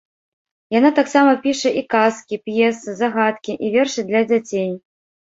Яна таксама піша і казкі, п'есы, загадкі і вершы для дзяцей.